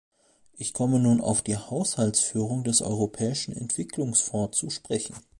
Ich komme nun auf die Haushaltsführung des Europäischen Entwicklungsfonds zu sprechen.